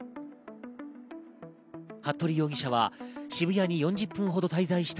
服部容疑者は渋谷に４０分ほど滞在した